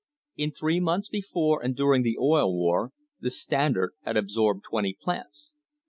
In three months before and during the Oil War the Standard had absorbed twenty plants.